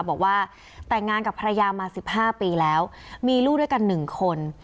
บอกว่าแต่งงานกับภรรยามา๑๕ปีแล้วมีลูกด้วยกัน๑คน